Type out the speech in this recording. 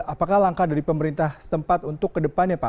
apakah langkah dari pemerintah setempat untuk ke depannya pak